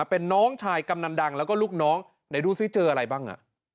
เป็นน้องชายกำนันดังแล้วก็ลูกน้องไหนดูซิเจออะไรบ้าง